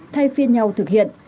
thay phiên nhau thực hiện